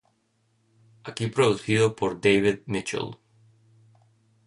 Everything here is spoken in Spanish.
Aquí producido por David Mitchell.